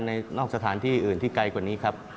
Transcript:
นอกสถานที่อื่นที่ไกลกว่านี้ครับ